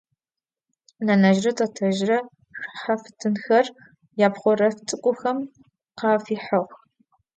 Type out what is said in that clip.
Nenezjre tetezjre ş'uhaftınxer yapxhorelhf ts'ık'uxem khafihığ.